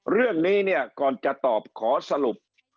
เรื่องนี้เนี่ยก่อนจะตอบขอสรุป